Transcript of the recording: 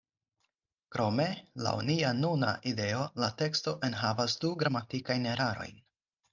Krome, laŭ nia nuna ideo la teksto enhavas du gramatikajn erarojn.